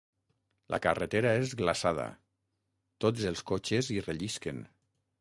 La carretera és glaçada: tots els cotxes hi rellisquen.